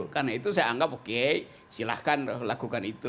karena itu saya anggap oke silahkan lakukan itu